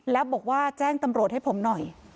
แล้วบอกว่าแจ้งตำรวจให้ผมหน่อย